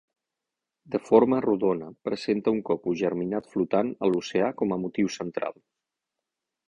De forma rodona, presenta un coco germinat flotant a l'oceà com a motiu central.